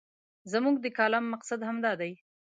زموږ د کالم مقصد همدا دی.